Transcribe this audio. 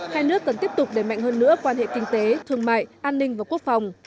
hai nước cần tiếp tục đẩy mạnh hơn nữa quan hệ kinh tế thương mại an ninh và quốc phòng